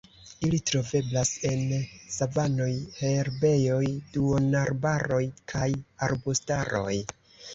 Ili troveblas en savanoj, herbejoj, duonarbaroj kaj arbustaroj.